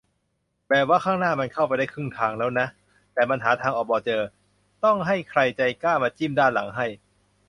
แบบว่าข้างหน้ามันเข้าไปได้ครึ่งทางแล้วนะ แต่มันหาทางออกบ่เจอ ต้องให้ใครใจกล้ามาจิ้มด้านหลังให้